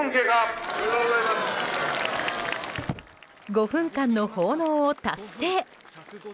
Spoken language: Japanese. ５分間の奉納を達成！